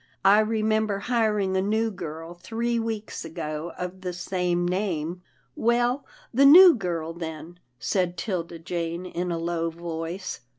" I re member hiring a new girl three weeks ago of the same name." " Well, the new girl, then," said 'Tilda Jane in a low voice.